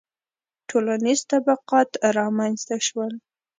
• ټولنیز طبقات رامنځته شول.